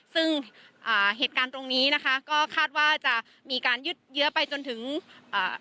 ซึ่งอ่าเหตุการณ์ตรงนี้นะคะก็คาดว่าจะมีการยึดเยื้อไปจนถึงอ่า